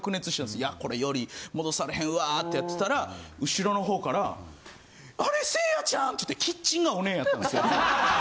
「いやこれより戻されへんわ」ってやってたら後ろの方から「あれせいやちゃん！？」って言ってキッチンがオネエやったんですよ。